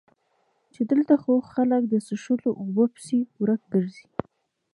چې دلته خو خلک د څښلو اوبو پسې ورک ګرځي